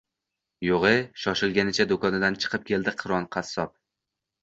– Yo‘g‘-e! – shoshganicha do‘konidan chiqib keldi Qiron qassob